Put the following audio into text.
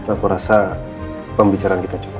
aku rasa pembicaraan kita juga